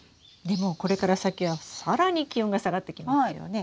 でもこれから先は更に気温が下がってきますよね。